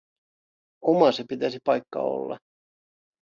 Oma se pitäisi paikka olla.